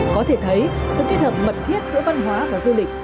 có thể thấy sự kết hợp mật thiết giữa văn hóa và du lịch